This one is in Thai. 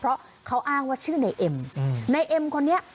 เพราะเขาอ้างว่าชื่อในเอ็มในเอ็มคนนี้